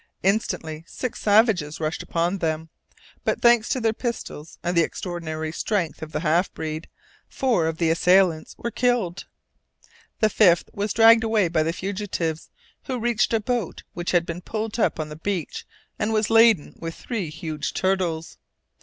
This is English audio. Instantly, six savages rushed upon them; but, thanks to their pistols, and the extraordinary strength of the half breed, four of the assailants were killed. The fifth was dragged away by the fugitives, who reached a boat which had been pulled up on the beach and was laden with three huge turtles.